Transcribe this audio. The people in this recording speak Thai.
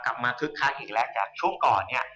กลับมาคึกค่าอีกแล้วกับช่วงก่อนเนี่ย